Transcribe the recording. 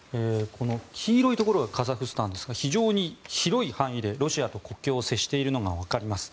黄色いところがカザフスタンですが非常に広い範囲でロシアと国境を接しているのが分かります。